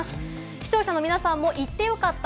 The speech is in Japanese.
視聴者の皆さんも行ってよかった